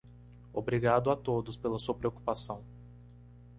Obrigado a todos pela sua preocupação.